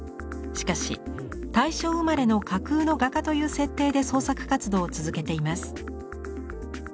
しかし「大正生まれの架空の画家」という設定で創作活動を続けています。